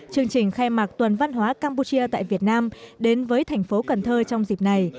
chương trình khai mạc tuần văn hóa campuchia tại việt nam đến với thành phố cần thơ trong dịp này